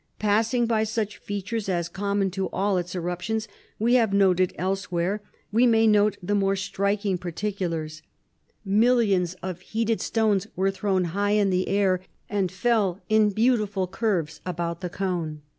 Passing by such features as, common to all its eruptions, we have noted elsewhere, we may note the more striking particulars: Millions of heated stones were thrown high in the air, and fell in beautiful curves about the cone.